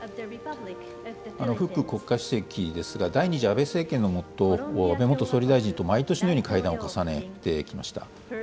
フック国家主席ですが、第２次安倍政権の下、安倍元総理大臣と毎年のように会談を重ねてきました。